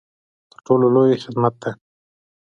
تر ټولو لوی خدمت دی.